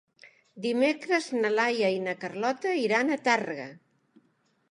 Dimecres na Laia i na Carlota iran a Tàrrega.